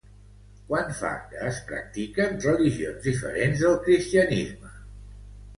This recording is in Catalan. Quant fa que es practiquen religions diferents del cristianisme.